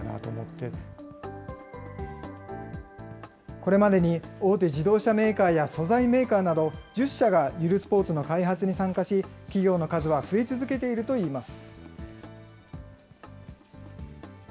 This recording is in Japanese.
これまでに大手自動車メーカーや素材メーカーなど、１０社がゆるスポーツの開発に参加し、企業の数は増え続けているといいます。